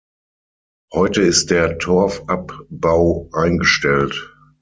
Heute ist der Torfabbau eingestellt.